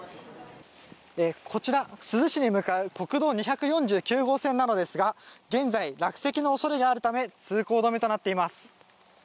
こちら珠洲市に向かう国道２４９号線ですが現在、落石の恐れがあるため通行止めとなっています。